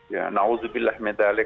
ya na'udzubillah minalli